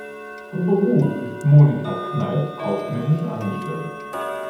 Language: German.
Von Beruf ist Monika Kneip kaufmännische Angestellte.